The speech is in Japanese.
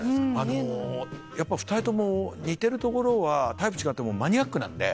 あのやっぱり２人とも似てるところはタイプ違ってもマニアックなんで。